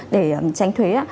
để tránh thuế